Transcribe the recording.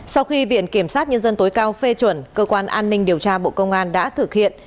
sau khi viện kiểm sát nhân dân tối cao phê chuẩn cơ quan an ninh điều tra bộ công an đã thực hiện